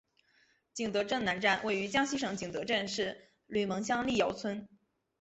景德镇南站位于江西省景德镇市吕蒙乡历尧村。